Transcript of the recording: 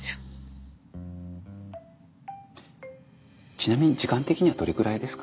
ちなみに時間的にはどれくらいですか？